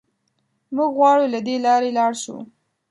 موږ غواړو له دې لارې لاړ شو.